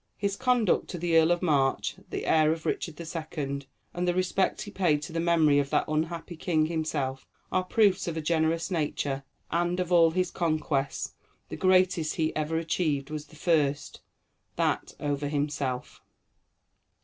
His conduct to the Earl of March, the heir of Richard II., and the respect he paid to the memory of that unhappy king himself, are proofs of a generous nature; and of all his conquests, the greatest he ever achieved was the first that over himself.